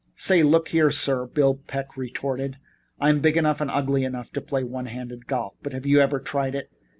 "Say, look here, sir," Bill Peck retorted, "I'm big enough and ugly enough to play one handed golf." "But, have you ever tried it?"